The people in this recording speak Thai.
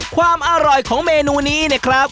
ความอร่อยของเมนูนี้เนี่ยครับ